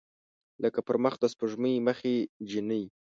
لکه پر مخ د سپوږمۍ مخې جینۍ